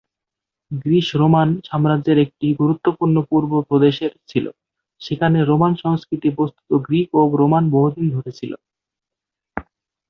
Greece Roman সাম্রাজ্যের একটি গুরুত্বপূর্ণ পূর্ব প্রদেশের ছিল, সেখানে রোমান সংস্কৃতি বস্তুত গ্রিকও-রোমান বহুদিন ধরে ছিল।